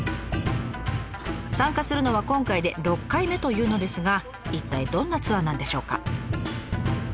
参加するのは今回で６回目というのですが一体どんなツアーなんでしょうか？